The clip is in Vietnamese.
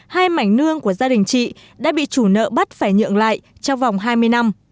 hai mảnh nương của gia đình chị đã bị chủ nợ bắt phải nhượng lại trong vòng hai mươi năm